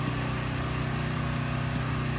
د منفي افکارو لرونکي تل نيوکه کوي.